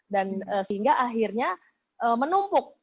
dan sehingga akhirnya menumpuk